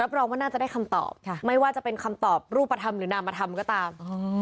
รองว่าน่าจะได้คำตอบไม่ว่าจะเป็นคำตอบรูปธรรมหรือนามธรรมก็ตาม